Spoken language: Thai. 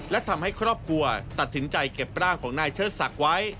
และทำให้ครอบครัวตัดสินใจเก็บร่างของนายเชิดศักดิ์ไว้